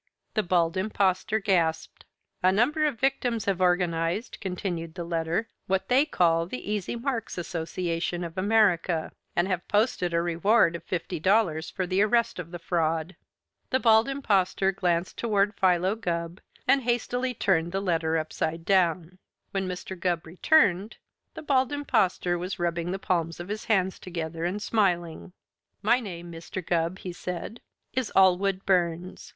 The Bald Impostor gasped. "A number of victims have organized," continued the letter, "what they call the Easy Marks' Association of America and have posted a reward of fifty dollars for the arrest of the fraud." The Bald Impostor glanced toward Philo Gubb and hastily turned the letter upside down. When Mr. Gubb returned, the Bald Impostor was rubbing the palms of his hands together and smiling. "My name, Mr. Gubb," he said, "is Allwood Burns.